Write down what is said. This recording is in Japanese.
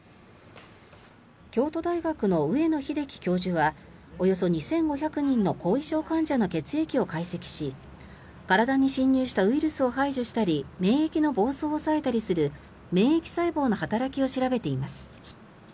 京都大学の上野英樹教授はおよそ２５００人の後遺症患者の血液を解析し体に侵入したウイルスを排除したり免疫の暴走を抑えたりする免疫細胞の働きを調べています。